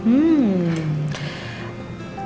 sampai ketemu lagi